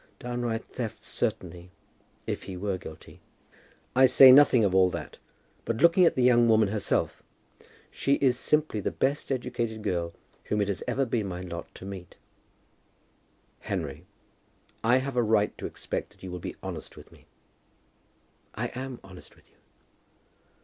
"Downright theft, certainly, if he were guilty." "I say nothing of all that; but looking at the young woman herself " "She is simply the best educated girl whom it has ever been my lot to meet." "Henry, I have a right to expect that you will be honest with me." "I am honest with you."